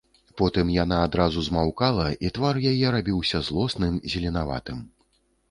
Потым яна адразу змаўкала, і твар яе рабіўся злосным, зеленаватым.